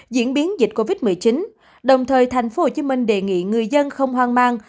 diễn biến dịch covid một mươi chín đồng thời thành phố hồ chí minh đề nghị người dân không hoang mang